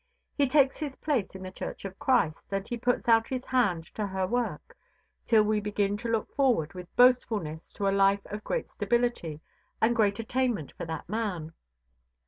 He takes his place in the Church of Christ, and he puts out his hand to her work, till we begin to look forward with boastfulness to a life of great stability and great attainment for that man.